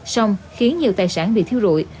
xong khiến nhiều tài sản bị thiêu rụi